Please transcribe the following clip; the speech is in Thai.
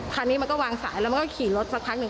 คันนี้มันก็วางสายแล้วมันก็ขี่รถสักพักหนึ่ง